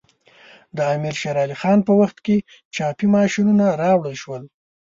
د امیر شیر علی خان په وخت کې چاپي ماشینونه راوړل شول.